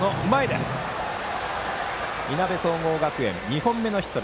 いなべ総合学園、２本目のヒット。